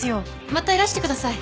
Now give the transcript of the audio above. またいらしてください。